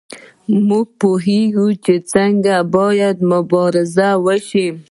موږ پوهیږو چې څنګه باید مبارزه وشي.